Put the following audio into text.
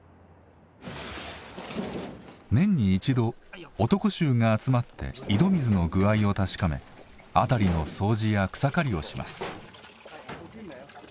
年に一度男衆が集まって井戸水の具合を確かめ辺りの掃除や草刈りをします。